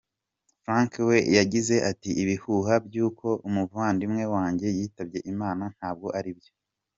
Frank we yagize ati "Ibihuha by’uko umuvandimwe wanjye yitabye Imana ntabwo ari byo.